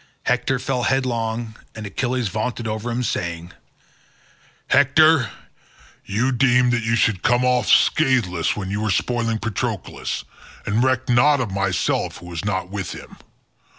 Hector fell headlong, and Achilles vaunted over him saying, "Hector, you deemed that you should come off scatheless when you were spoiling Patroclus, and recked not of myself who was not with him.